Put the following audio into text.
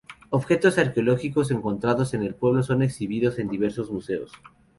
Objetos arqueológicos encontrados en el pueblo son exhibidos en diversos museos.